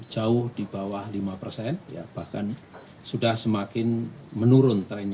jauh di bawah lima persen bahkan sudah semakin menurun trennya